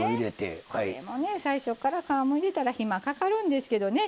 これもね最初から皮むいてたら暇かかるんですけどね